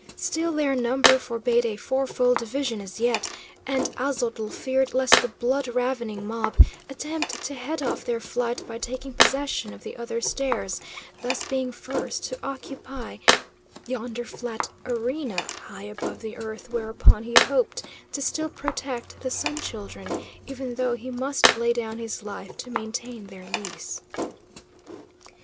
Still, their number forbade a fourfold division as yet, and Aztotl feared lest the blood ravening mob attempt to head off their flight by taking possession of the other stairs, thus being first to occupy yonder flat arena high above the earth, whereupon he hoped to still protect the Sun Children, even though he must lay down his life to maintain their lease.